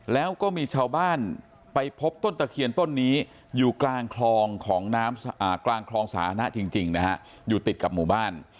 แล้วก็มีชาวบ้านไปพบต้นตะเคียนต้นนี้อยู่กลางคลองของน้ำกลางคลองสาธารณะจริงนะฮะอยู่ติดกับหมู่บ้าน